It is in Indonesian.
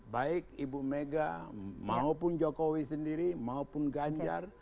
baik ibu mega maupun jokowi sendiri maupun ganjar